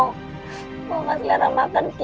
gak masalah makan